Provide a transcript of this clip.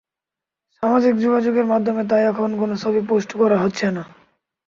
সামাজিক যোগাযোগের মাধ্যমে তাই এখনই কোনো ছবি পোস্ট করা হচ্ছে না।